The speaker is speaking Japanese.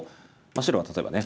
白は例えばね